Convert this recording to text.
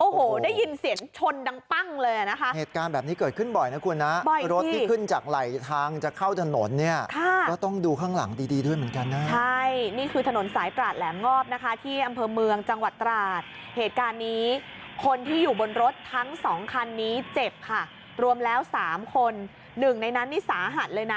โอ้โหได้ยินเสียงชนดังปั้งเลยอ่ะนะคะเหตุการณ์แบบนี้เกิดขึ้นบ่อยนะคุณนะบ่อยรถที่ขึ้นจากไหลทางจะเข้าถนนเนี่ยก็ต้องดูข้างหลังดีดีด้วยเหมือนกันนะใช่นี่คือถนนสายตราดแหลมงอบนะคะที่อำเภอเมืองจังหวัดตราดเหตุการณ์นี้คนที่อยู่บนรถทั้งสองคันนี้เจ็บค่ะรวมแล้วสามคนหนึ่งในนั้นนี่สาหัสเลยนะ